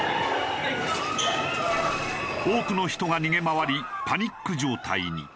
多くの人が逃げ回りパニック状態に。